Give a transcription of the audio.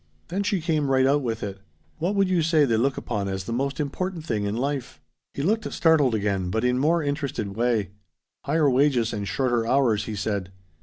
Then she came right out with it. "What would you say they look upon as the most important thing in life?" He looked startled again, but in more interested way. "Higher wages and shorter hours," he said.